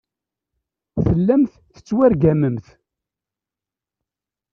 Tellamt tettwargamemt.